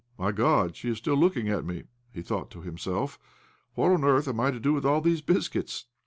" My God, she is still looking at me !" he іб4 OBLOMOV thought to himself. "What on earth am I to do with all these biscuits